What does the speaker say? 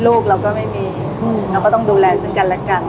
ลูกเราก็ไม่มีเราก็ต้องดูแลซึ่งกันและกัน